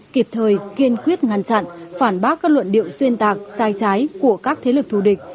kịp thời kiên quyết ngăn chặn phản bác các luận điệu xuyên tạc sai trái của các thế lực thù địch